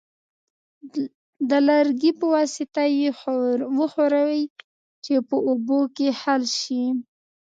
د لرګي په واسطه یې وښورئ چې په اوبو کې حل شي.